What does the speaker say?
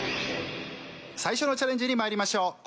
最初のチャレンジにまいりましょう。